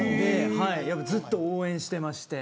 ずっと応援してまして。